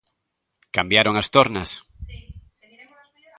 Cambiaron as tornas.